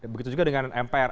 begitu juga dengan mpr